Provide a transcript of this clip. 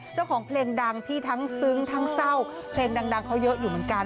เจ้าของเพลงดังที่ทั้งซึ้งทั้งเศร้าเพลงดังเขาเยอะอยู่เหมือนกัน